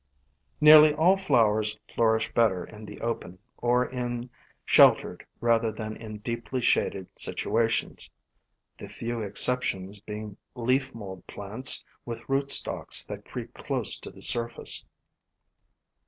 Nearly all flowers flourish better in the open, or in sheltered rather than in deeply shaded situa tions, the few exceptions being leaf mold plants with rootstocks that creep close to the surface.